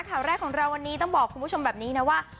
ข่าวแรกของเราวันนี้ต้องบอกคุณผู้ชมแบบนี้นะว่า